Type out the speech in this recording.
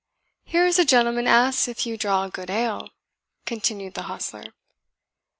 "Here is a gentleman asks if you draw good ale," continued the hostler.